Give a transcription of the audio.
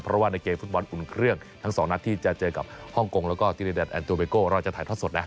เพราะว่าในเกมฟุตบอลอุ่นเครื่องทั้งสองนัดที่จะเจอกับฮ่องกงแล้วก็ธิริเดนแอนโตเบโก้เราจะถ่ายทอดสดนะ